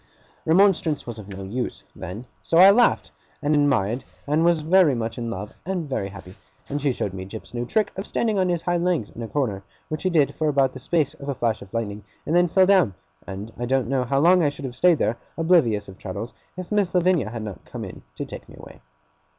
Remonstrance was of no use, then; so I laughed, and admired, and was very much in love and very happy; and she showed me Jip's new trick of standing on his hind legs in a corner which he did for about the space of a flash of lightning, and then fell down and I don't know how long I should have stayed there, oblivious of Traddles, if Miss Lavinia had not come in to take me away.